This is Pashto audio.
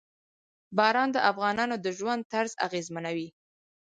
باران د افغانانو د ژوند طرز اغېزمنوي.